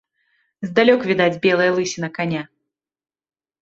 Здалёк відаць белая лысіна каня.